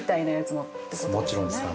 ◆もちろんです。